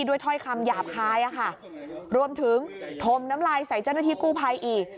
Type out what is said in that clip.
ถ้อยคำหยาบคายอะค่ะรวมถึงถมน้ำลายใส่เจ้าหน้าที่กู้ภัยอีก